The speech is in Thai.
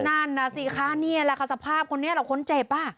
นั่นสิค่ะนี่ล่ะค่ะสภาพคนนี้เราค้นเจ็บป่ะ